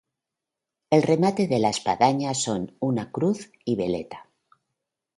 El remate de la espadaña son una cruz y veleta.